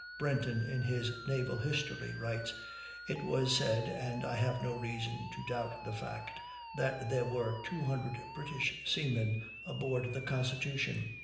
Brenton in his "Naval History" writes: "It was said, and I have no reason to doubt the fact, that there were 200 British seamen aboard the Constitution."